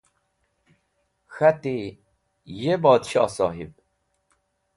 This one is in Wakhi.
K̃hati: Ye PodshohSohib!